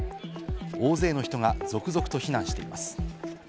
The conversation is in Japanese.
大勢の人が続々と避難しています。